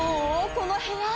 この部屋。